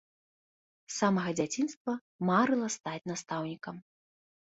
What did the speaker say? З самага дзяцінства марыла стаць настаўнікам.